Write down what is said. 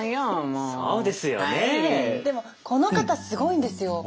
でもこの方すごいんですよ。